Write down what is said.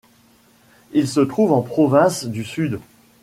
Il se trouve en Province du Sud.